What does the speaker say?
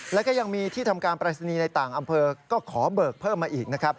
แล้วก็ยังมีที่ทำการปรายศนีย์ในต่างอำเภอก็ขอเบิกเพิ่มมาอีกนะครับ